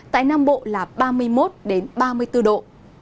tại nam bộ là ba mươi một ba mươi bốn độ